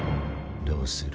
どうする？